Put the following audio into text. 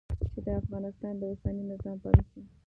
چې د افغانستان د اوسني نظام پالیسي